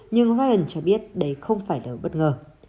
nhưng ryan cho biết đây không phải là bất ngờ